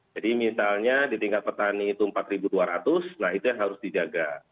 jadi misalnya di tingkat petani itu empat dua ratus nah itu yang harus dijaga